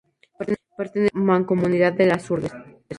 Pertenece a la mancomunidad de Las Hurdes.